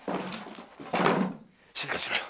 静かにしろよ。